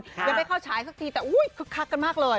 เดี๋ยวไปเข้าฉายสักทีแต่คักกันมากเลย